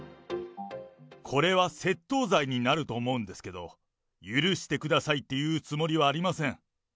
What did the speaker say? これは窃盗罪になると思うんですけど、許してくださいって言うつもりはありません。